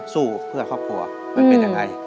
สู้เพื่อครอบครัวมันเป็นยังไง